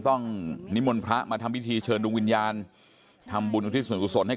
ต้องนิมวลพระมาทำวิธีเชิญดุงวิญญาณทำบุญที่ส่วนสุดให้